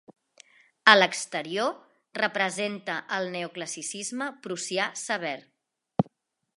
A l'exterior representa el neoclassicisme prussià sever.